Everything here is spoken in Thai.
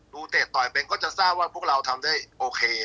เตะต่อยเป็นก็จะทราบว่าพวกเราทำได้โอเค